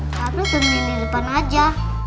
kapril temenin di depan aja